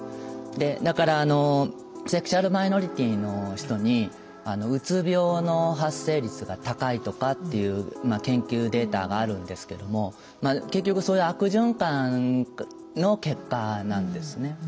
だからセクシュアルマイノリティの人にうつ病の発生率が高いとかっていう研究データがあるんですけども結局そういう悪循環の結果なんですね。